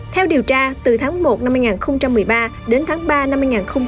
theo điều tra từ tháng một năm hai nghìn một mươi ba đến tháng ba năm hai nghìn một mươi chín